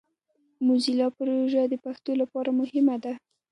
موزیلا پروژه د پښتو لپاره مهمه ده.